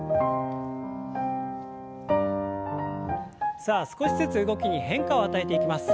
さあ少しずつ動きに変化を与えていきます。